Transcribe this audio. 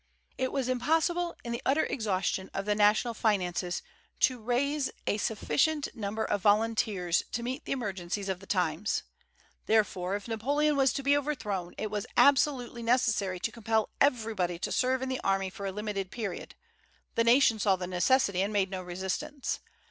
It was impossible in the utter exhaustion of the national finances to raise a sufficient number of volunteers to meet the emergencies of the times; therefore, if Napoleon was to be overthrown, it was absolutely necessary to compel everybody to serve in the army for a limited period, The nation saw the necessity, and made no resistance.